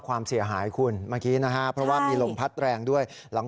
ความเสียหายคุณเมื่อกี้นะฮะเพราะว่ามีลมพัดแรงด้วยหลัง